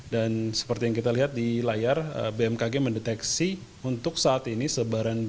dan seperti yang kita lihat di layar bmkg mendeteksi untuk saat ini sebaran abu vulkanik